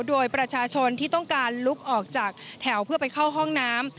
โดยประชาชนที่ต้องการลุกออกจากแถวเพื่อไปเข้าห้องน้ำ